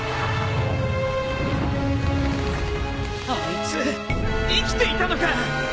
あいつ生きていたのか！